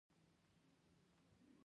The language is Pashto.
د انسان هډوکي د ماشومتوب وروسته سختېږي.